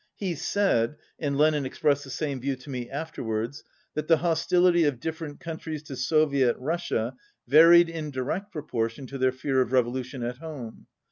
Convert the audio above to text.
He said (and Lenin expressed the same view to me afterwards) that the hostility of different countries to Soviet Russia varied in direct proportion to their fear of revolu tion at home.